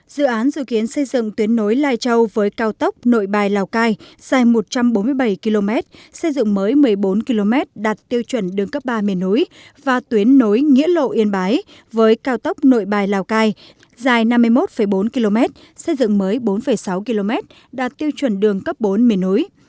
dự án dự kiến xây dựng tuyến nối lai châu với cao tốc nội bài lào cai dài một trăm bốn mươi bảy km xây dựng mới một mươi bốn km đạt tiêu chuẩn đường cấp ba miền núi và tuyến nối nghĩa lộ yên bái với cao tốc nội bài lào cai dài năm mươi một bốn km xây dựng mới bốn sáu km đạt tiêu chuẩn đường cấp bốn miền núi